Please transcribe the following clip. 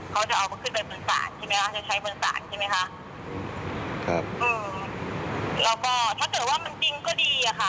เขาจะเอาก็ขึ้นไปบนศาลใช่ไหมคะจะใช้บริการใช่ไหมคะครับอืมแล้วก็ถ้าเกิดว่ามันจริงก็ดีอะค่ะ